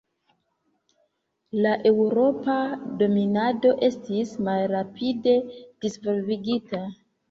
La eŭropa dominado estis malrapide disvolvigita.